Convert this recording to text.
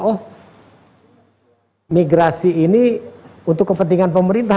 oh migrasi ini untuk kepentingan pemerintah